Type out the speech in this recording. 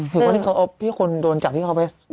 ถือว่าที่เขาเอาที่คนโดนจัดที่เขาเอาไป